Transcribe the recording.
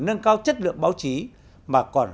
nâng cao chất lượng báo chí mà còn